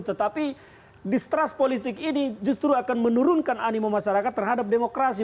tetapi distrust politik ini justru akan menurunkan animo masyarakat terhadap demokrasi